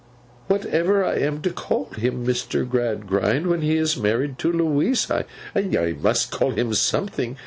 'Whatever I am to call him, Mr. Gradgrind, when he is married to Louisa! I must call him something.